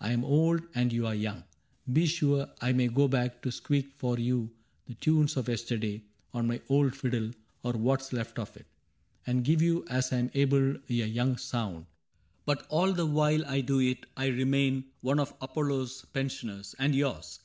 I am old. And you are young. Be sure, I may go back To squeak for you the tunes of yesterday On my old fiddle — or what 's left of it — And give you as I 'm able a young sound ; But all the while I do it I remain One of Apollo's pensioners (and yours).